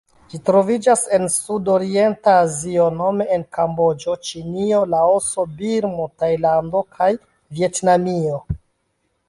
Ĝi troviĝas en Sudorienta Azio nome en Kamboĝo, Ĉinio, Laoso, Birmo, Tajlando kaj Vjetnamio.